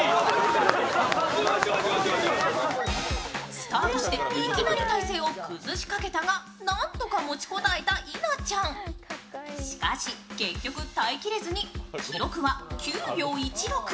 スタートしていきなり体勢を崩しかけたがなんとか持ちこたえた稲ちゃん、しかし結局、耐えきれずに記録は９秒１６。